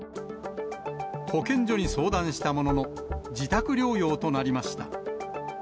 保健所に相談したものの、自宅療養となりました。